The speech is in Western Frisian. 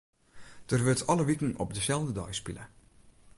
Der wurdt alle wiken op deselde dei spile.